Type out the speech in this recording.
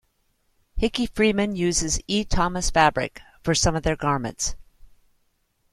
Hickey Freeman uses E. Thomas fabric for some of their garments.